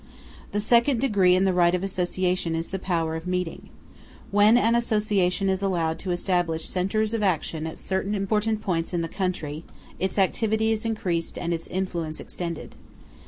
The second degree in the right of association is the power of meeting. When an association is allowed to establish centres of action at certain important points in the country, its activity is increased and its influence extended.